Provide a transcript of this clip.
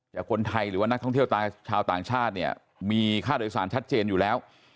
คนไทยหรือว่านักท่องเที่ยวชาวต่างชาติเนี่ยมีค่าโดยสารชัดเจนอยู่แล้ว